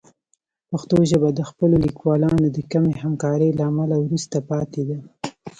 پښتو ژبه د خپلو لیکوالانو د کمې همکارۍ له امله وروسته پاتې ده.